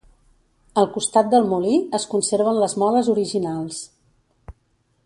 Al costat del molí es conserven les moles originals.